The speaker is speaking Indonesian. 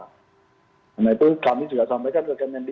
karena itu kami juga sampaikan